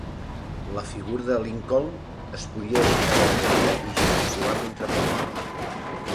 La figura de Lincoln es podia aixecar de la cadira i gesticular mentre parlava.